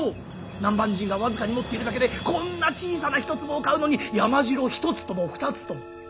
南蛮人が僅かに持っているだけでこんな小さな一粒を買うのに山城１つとも２つとも。